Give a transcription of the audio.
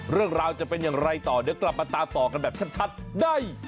เรื่องราวจะเป็นอย่างไรต่อเดี๋ยวกลับมาตามต่อกันแบบชัดได้